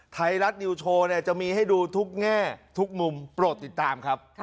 ไทยรัฐนิวโชว์เนี่ยจะมีให้ดูทุกแง่ทุกมุมโปรดติดตามครับ